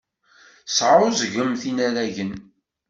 Tesɛeẓgemt inaragen.